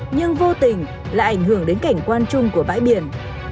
nhưng vô tình lại ảnh hưởng đến cảnh quan chung của bãi biển